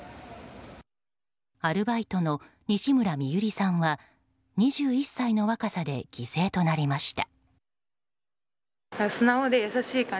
アルバイトの西村美夕璃さんは２１歳の若さで犠牲となりました。